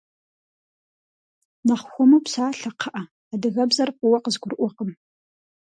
Нэхъ хуэму псалъэ, кхъыӏэ, адыгэбзэр фӏыуэ къызгурыӏуэкъым.